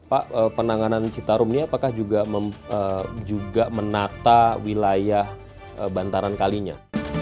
pak penanganan citarum ini apakah juga menata wilayah bantaran kalinya